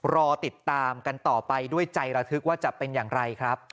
รอติดตามกันต่อไปด้วยใจระทึกว่าจะเป็นอย่างไรครับ